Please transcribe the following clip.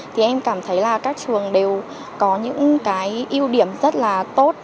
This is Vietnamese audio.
thì em cảm thấy là các trường đều có những cái ưu điểm rất là tốt